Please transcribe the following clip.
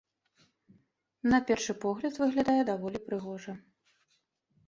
На першы погляд, выглядае даволі прыгожа.